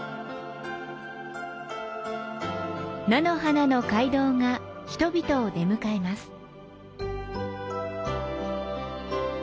菜の花の街道が人々を出迎えます。